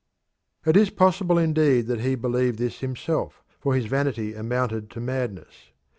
It is possible, indeed, that he believed this himself, for his vanity amounted to madness.